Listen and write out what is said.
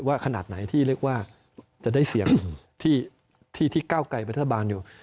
ขนาดไหนที่เรียกว่าจะได้เสียงที่เก้าไกลเป็นรัฐบาลอยู่